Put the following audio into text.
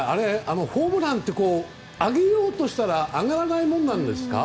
ホームランって上げようとしたら上がらないものなんですか？